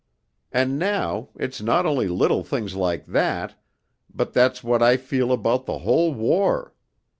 'And now, it's not only little things like that, but that's what I feel about the whole war.